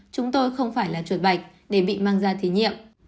chúng tôi không phải là trội bạch để bị mang ra thí nghiệm